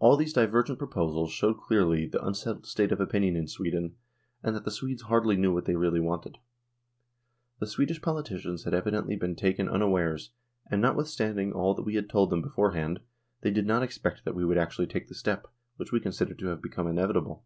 All these divergent proposals showed clearly the unsettled state of opinion in Sweden, and that the Swedes hardly knew what they really wanted. The Swedish politicians had evidently been taken un awares, and notwithstanding all that we had told them beforehand, they did not expect that we would actually take the step, which we consider to have become inevitable.